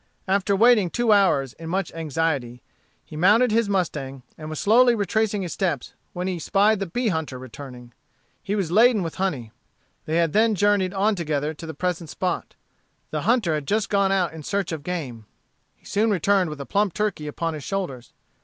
After waiting two hours in much anxiety, he mounted his mustang, and was slowly retracing his steps, when he spied the bee hunter returning. He was laden with honey. They had then journeyed on together to the present spot. The hunter had just gone out in search of game. He soon returned with a plump turkey upon his shoulders.